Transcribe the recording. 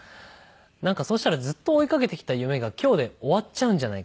なんかそうしたらずっと追いかけてきた夢が今日で終わっちゃうんじゃないか。